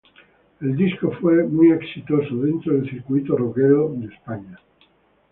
El disco fue muy exitoso dentro del circuito roquero de España.